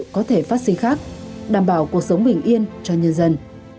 có thể phát sinh khác đảm bảo cuộc sống bình yên cho nhân dân